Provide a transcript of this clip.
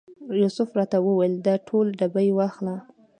یوسف راته وویل دا ټول ډبې واخله.